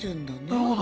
なるほど。